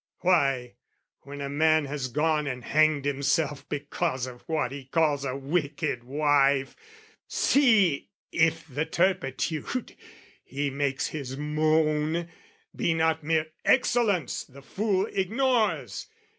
Why, when a man has gone and hanged himself Because of what he calls a wicked wife, See, if the turpitude, he makes his moan, Be not mere excellence the fool ignores!